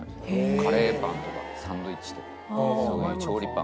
カレーパンとかサンドウィッチとかそういう調理パン。